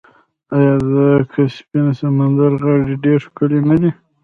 آیا د کسپین سمندر غاړې ډیرې ښکلې نه دي؟